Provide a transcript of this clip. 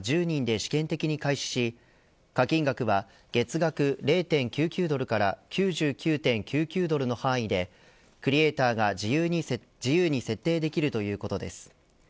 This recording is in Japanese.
１０人で試験的に開始し課金額は月額０．９９ドルから９９．９９ドルの範囲でクリエイターが自由に設定できるということです。